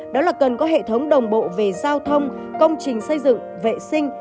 đó là cần có hệ thống đồng bộ về giao thông công trình xây dựng vệ sinh